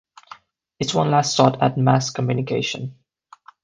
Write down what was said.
It's one last shot at mass communication.